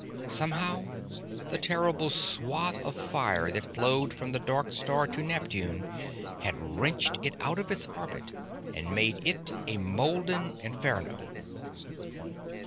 Somehow, the terrible swathe of fire that flowed from the dark star to Neptune had wrenched it out of its orbit and made of it a molten inferno.